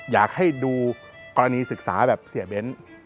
อยากให้ดูกรณีศึกษาแบบเสียเบ้น